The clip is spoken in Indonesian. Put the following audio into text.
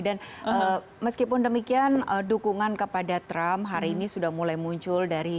dan meskipun demikian dukungan kepada trump hari ini sudah mulai muncul